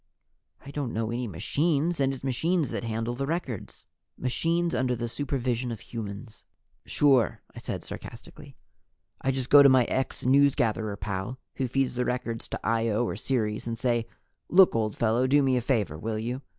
"I don't know any machines. And it's machines that handle the records." "Machines under the supervision of humans." "Sure," I said sarcastically. "I just go to my ex newsgatherer pal who feeds the records to Io or Ceres and say, 'Look, old fellow, do me a favor, will you?